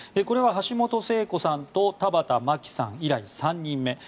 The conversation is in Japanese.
これは橋本聖子さんと田畑真紀さん以来３人目。